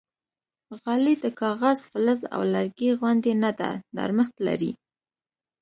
غالۍ د کاغذ، فلز او لرګي غوندې نه ده، نرمښت لري.